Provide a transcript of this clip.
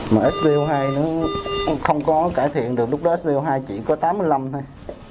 mà spo hai nó không có cải thiện được lúc đó spo hai chỉ có tám mươi năm thôi